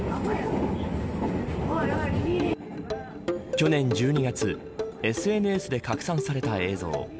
去年１２月ＳＮＳで拡散された映像。